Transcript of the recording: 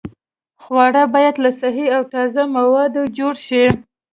خواړه باید له صحي او تازه موادو جوړ شي.